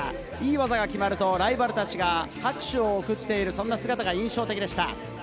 技が決まると、ライバルたちが拍手を送っている姿が印象的でした。